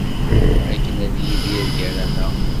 Akken ad yidir gar-aneɣ.